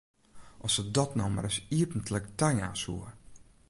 As se dat no mar ris iepentlik tajaan soe!